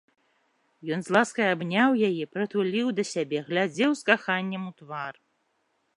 Ён з ласкай абняў яе, прытуліў да сябе, глядзеў з каханнем у твар.